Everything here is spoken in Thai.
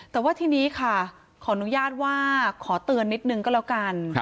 แต่ว่าทีนี้ค่ะขออนุญาตว่าขอเตือนนิดนึงก็แล้วกัน